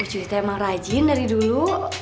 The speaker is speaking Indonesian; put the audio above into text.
ucuy itu emang rajin dari dulu